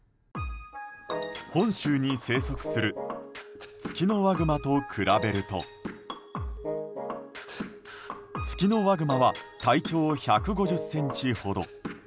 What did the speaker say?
本州に生息するツキノワグマと比べるとツキノワグマは体長１５０ｃｍほど。